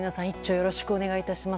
よろしくお願いします。